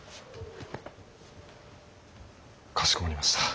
かしこまりました。